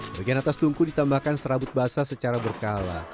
bagian atas tungku ditambahkan serabut basah secara berkala